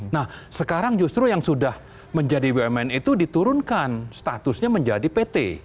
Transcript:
nah sekarang justru yang sudah menjadi bumn itu diturunkan statusnya menjadi pt